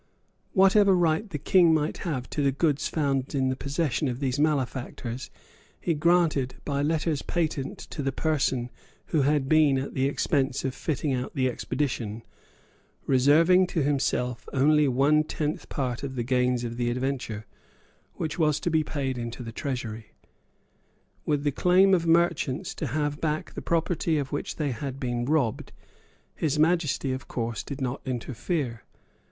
Whatever right the King might have to the goods found in the possession of these malefactors he granted, by letters patent, to the persons who had been at the expense of fitting out the expedition, reserving to himself only one tenth part of the gains of the adventure, which was to be paid into the treasury. With the claim of merchants to have back the property of which they had been robbed His Majesty of course did not interfere.